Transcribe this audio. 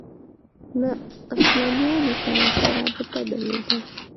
له عثمانیانو سره ښه رابطه درلوده